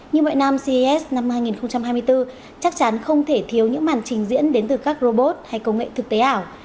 như vậy nam ces năm hai nghìn hai mươi bốn chắc chắn không thể thiếu những màn trình diễn đến từ các robot hay công nghệ thực tế ảo